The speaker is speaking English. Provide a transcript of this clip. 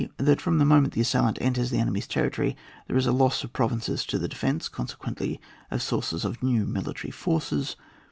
That from the moment the assailant enters the enemy's territory, there is a loss of provinces to the defence, consequently of the sources of new military forces.